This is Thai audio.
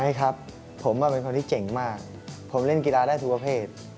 ใช่ครับผมเป็นคนที่เจ๋งมากผมเล่นกีฬาได้ทุกประเภท